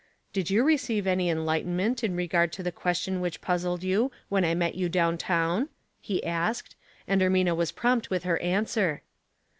" Did you receive any enlightenment in re gard to the question which puzzled you when I met you down town?" he asked; and Ermina was prompt with her answer.